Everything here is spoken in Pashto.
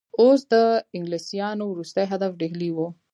اوس د انګلیسیانو وروستی هدف ډهلی وو.